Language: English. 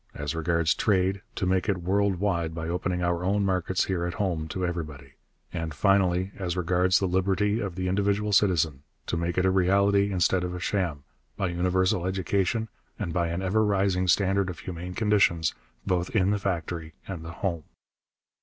As regards trade, to make it world wide by opening our own markets here at home to everybody. And, finally, as regards the liberty of the individual citizen, to make it a reality instead of a sham, by universal education and by an ever rising standard of humane conditions both in the factory and the home.